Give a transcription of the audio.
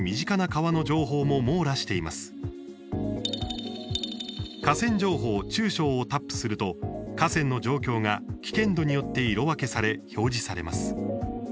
河川情報、中小をタップすると河川の状況が危険度によって色分けされ、表示されます。